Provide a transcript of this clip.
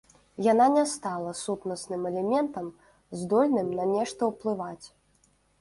Яна не стала сутнасным элементам, здольным на нешта ўплываць.